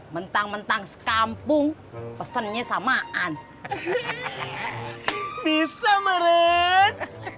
mentang mentang sekampung pesennya samaan bisa meren